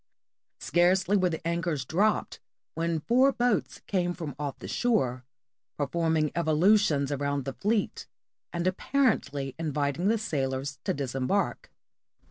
Scarcely were the anchors dropped when four boats came off from the shore, performing evolutions around the fleet, and apparently inviting the sailors to disem bark.